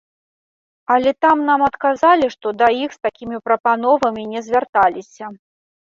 Але там нам адказалі, што да іх з такімі прапановамі не звярталіся.